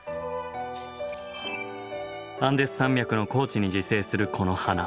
アンデス山脈の高地に自生するこの花。